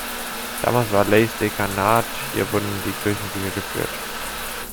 Damals war Laiz Dekanat, hier wurden die Kirchenbücher geführt.